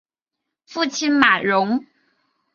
父亲马荣。